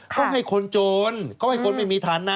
เขาให้คนโจรเขาให้คนไม่มีฐานะ